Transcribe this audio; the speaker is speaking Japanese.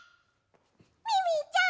ミミィちゃん